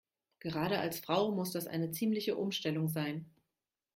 Gerade als Frau muss das eine ziemliche Umstellung sein.